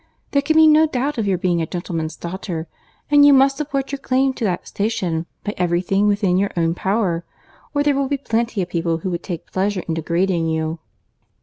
There can be no doubt of your being a gentleman's daughter, and you must support your claim to that station by every thing within your own power, or there will be plenty of people who would take pleasure in degrading you."